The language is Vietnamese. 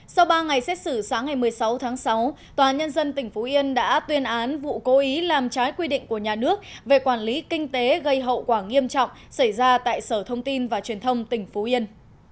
sau ba ngày xét xử sáng ngày một mươi sáu tháng sáu tòa nhân dân tỉnh phú yên đã tuyên án vụ cố ý làm trái quy định của nhà nước về quản lý kinh tế gây hậu quả nghiêm trọng xảy ra tại sở thông tin và truyền thông tỉnh phú yên